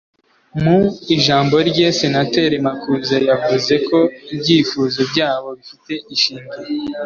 Mu ijambo rye Senateri Makuza yavuze ko ibyifuzo byabo bifite ishingiro